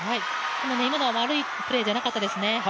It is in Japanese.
今のは悪いプレーではなかったですね。